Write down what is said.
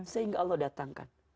sehingga allah datangkan